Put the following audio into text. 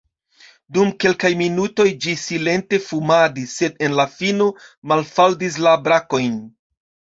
Dum kelkaj minutoj ĝi silente fumadis, sed en la fino malfaldis la brakojn.